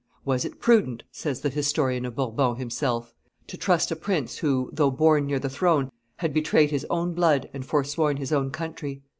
"Was it prudent," says the historian of Bourbon himself, "to trust a prince who, though born near the throne, had betrayed his own blood and forsworn his own country?